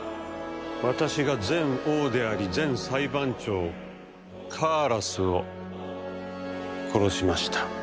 私が前王であり前裁判長カーラスを殺しました。